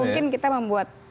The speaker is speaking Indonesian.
tidak mungkin kita membuat perpu